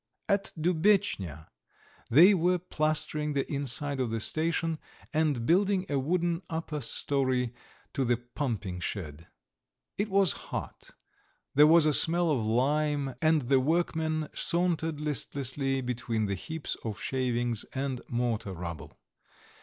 At Dubetchnya they were plastering the inside of the station, and building a wooden upper storey to the pumping shed. It was hot; there was a smell of lime, and the workmen sauntered listlessly between the heaps of shavings and mortar rubble.